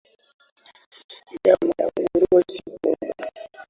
Nyama ya nguruwe si tamu